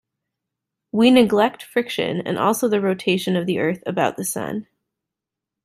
We neglect friction and also the rotation of the Earth about the Sun.